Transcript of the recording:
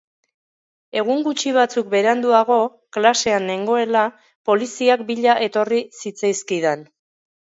Egun gutxi batzuk beranduago, klasean nengoela, poliziak bila etorri zitzaizkidan.